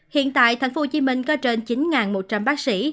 hiện tại thành phố hồ chí minh có trên chín một trăm linh bác sĩ